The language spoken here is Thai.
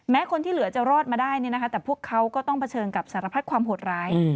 คนที่เหลือจะรอดมาได้แต่พวกเขาก็ต้องเผชิญกับสารพัดความโหดร้าย